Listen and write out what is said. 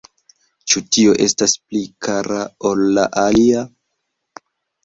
Ĉu tio estas pli kara ol la alia?